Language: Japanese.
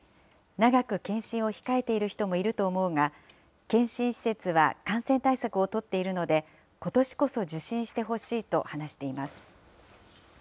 長く検診を控えている人もいると思うが、検診施設は感染対策を取っているので、ことしこそ受診してほしいと話しています。